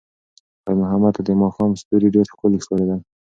خیر محمد ته د ماښام ستوري ډېر ښکلي ښکارېدل.